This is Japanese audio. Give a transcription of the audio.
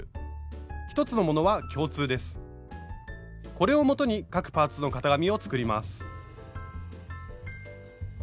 これを基に各パーツの型紙を作ります。